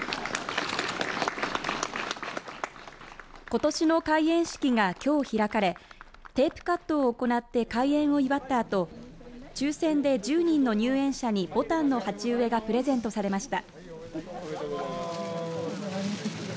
ことしの開園式がきょう開かれテープカットを行って開園を祝ったあと抽選で１０人の入園者にぼたんの鉢植えがプレゼントされました。